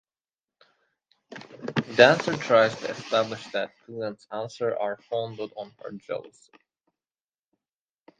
Dancer tries to establish that Pilant's answers are founded on her jealousy.